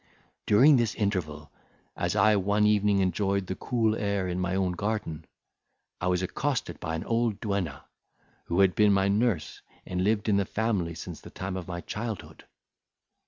During this interval, as I one evening enjoyed the cool air in my own garden, I was accosted by an old duenna, who had been my nurse and lived in the family since the time of my childhood.